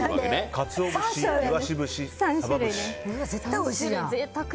絶対おいしいやん。